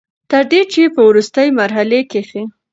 تر دې چې په ورورستۍ مرحله کښې